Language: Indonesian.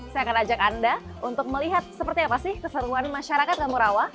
saya akan ajak anda untuk melihat seperti apa sih keseruan masyarakat kampung rawa